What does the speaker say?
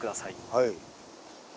はい。